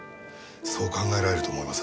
そう考えられると思います。